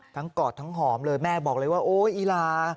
กอดทั้งหอมเลยแม่บอกเลยว่าโอ๊ยอีลา